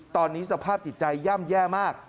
ตอนนี้สภาพจิตใจย่ำแย่มาก